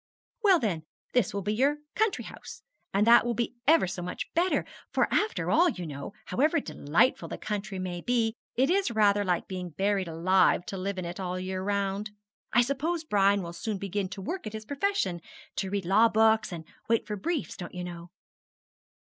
'Well, then, this will be your country house and that will be ever so much better; for after all, you know, however delightful the country may be, it is rather like being buried alive to live in it all the year round. I suppose Brian will soon begin to work at his profession to read law books, and wait for briefs, don't you know.'